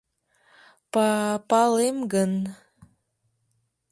— Па-палем гын...